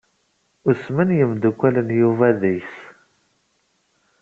Usmen yimdukal n Yuba deg-s.